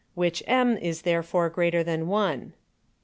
(which m is therefore greater than 1.) 6.